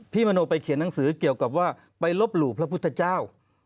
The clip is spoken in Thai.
มโนไปเขียนหนังสือเกี่ยวกับว่าไปลบหลู่พระพุทธเจ้า